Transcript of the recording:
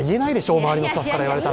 周りのスタッフから言われたら。